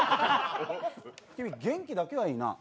君、元気だけはいいな。